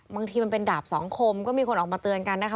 บางทีมันเป็นดาบสองคมก็มีคนออกมาเตือนกันนะคะ